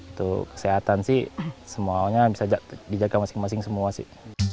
untuk kesehatan sih semuanya bisa dijaga masing masing semua sih